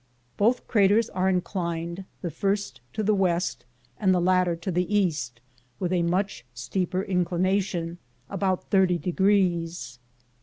Both craters are inclined — the first to the west, and the latter to the east with a much steeper inclination, about thirty degrees.